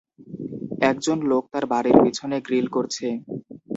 একজন লোক তার বাড়ির পিছনে গ্রিল করছে।